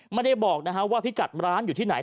ไม่ได้บอกว่าพิกัดร้านอยู่ที่ไหน